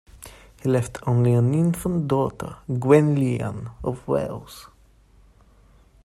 He left only an infant daughter, Gwenllian of Wales.